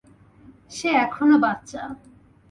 সে এখনো বাচ্চা।